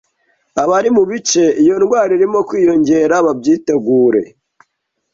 abari mu bice iyo ndwara irimo kwiyongera babyitegure.